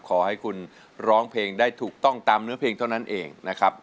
ขอให้คุณร้องเพลงได้ถูกต้องตามเนื้อเพลงเท่านั้นเองนะครับ